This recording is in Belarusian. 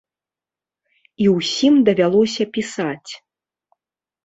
І ўсім давялося пісаць.